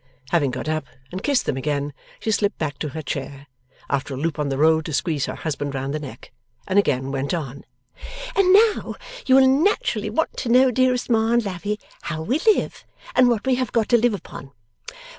Having got up and kissed them again, she slipped back to her chair (after a loop on the road to squeeze her husband round the neck) and again went on. 'And now you will naturally want to know, dearest Ma and Lavvy, how we live, and what we have got to live upon.